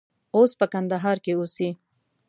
اوس په کندهار کې اوسي.